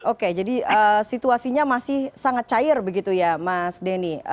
oke jadi situasinya masih sangat cair begitu ya mas denny